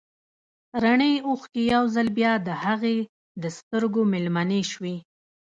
رڼې اوښکې يو ځل بيا د هغې د سترګو مېلمنې شوې.